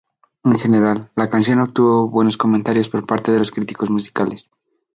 En general, la canción obtuvo buenos comentarios por parte de los críticos musicales.